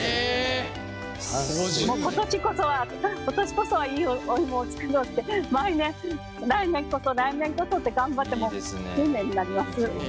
今年こそはいいお芋を作ろうって毎年来年こそ来年こそって頑張って５０年になります。